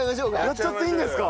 やっちゃっていいんですか？